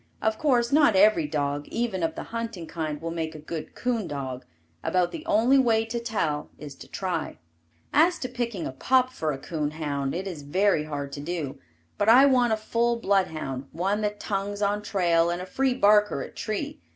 Of course, not every dog, even of the hunting kind, will make a good coon dog; about the only way to tell is to try. As to picking a pup for a coon hound, it is very hard to do, but I want a full bloodhound, one that tongues on trail and a free barker at tree.